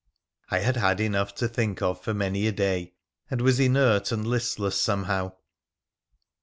I had had enough to think of for many a day, and was inert and listless somehow.